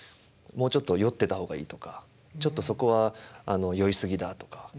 「もうちょっと酔ってた方がいい」とか「ちょっとそこは酔い過ぎだ」とか。